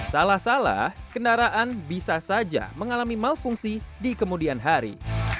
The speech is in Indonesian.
salah salah kendaraan bisa saja mengalami malfungsi di kemudian hari